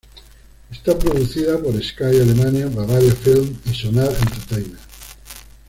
Está producida por Sky Alemania, Bavaria Film y Sonar Entertainment.